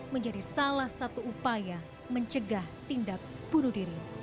menjadi salah satu upaya mencegah tindak bunuh diri